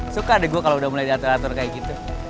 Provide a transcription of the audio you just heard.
suka deh gue kalau udah mulai diatur atur kayak gitu